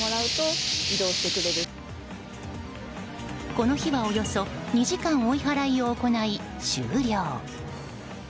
この日は、およそ２時間追い払いを行い終了。